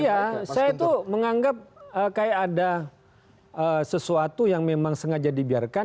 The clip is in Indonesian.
iya saya itu menganggap kayak ada sesuatu yang memang sengaja dibiarkan